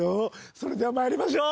それでは参りましょう！